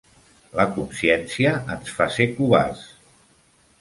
La consciència ens fa ser covards.